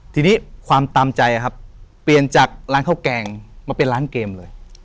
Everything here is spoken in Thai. ทีนี้ความตามใจครับเปลี่ยนจากร้านข้าวแกงมาเป็นร้านเกมเลย